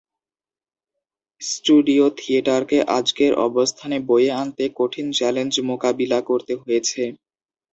Studio থিয়েটারকে আজকের অবস্থানে বয়ে আনতে কঠিন চ্যালেঞ্জ মোকাবিলা করতে হয়েছে।